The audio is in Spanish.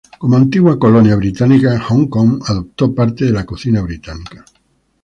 Como antigua colonia británica, Hong Kong adoptó parte de la cocina británica.